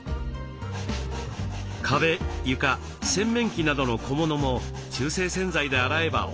壁床洗面器などの小物も中性洗剤で洗えばＯＫ。